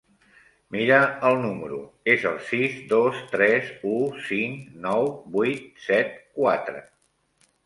Mira el número és el sis dos tres u cinc nou vuit set quatre.